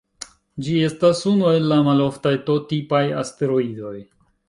Ĝi estas unu el la maloftaj T-tipaj asteroidoj.